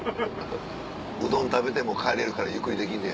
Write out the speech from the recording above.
うどん食べてもう帰れるからゆっくりできるね。